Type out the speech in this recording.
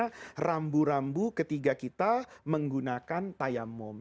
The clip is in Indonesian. ini namanya rambu rambu ketiga kita menggunakan tayamum